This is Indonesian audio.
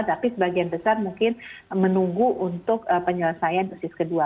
tapi sebagian besar mungkin menunggu untuk penyelesaian dosis kedua